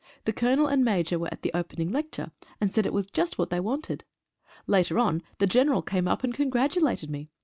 The Colonel and Major were at the opening lecture, and said it was just what they wanted. Later on the General came up and congratulated me.